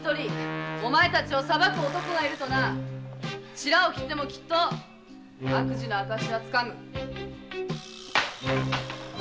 しらを切ってもきっと悪事の証は掴む。